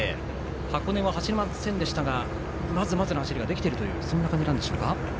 箱根は走りませんでしたがまずまずの走りができているという感じでしょうか。